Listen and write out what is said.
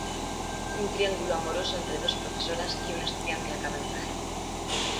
Un triángulo amoroso entre dos profesoras y un estudiante acaba en tragedia.